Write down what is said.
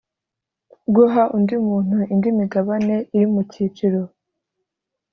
guha undi muntu indi migabane iri mu cyiciro